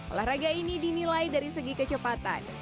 olahraga ini dinilai dari segi kecepatan